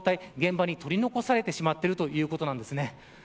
現場に取り残されてしまっているということなんですね。